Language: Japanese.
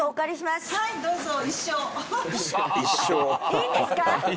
いいんですか？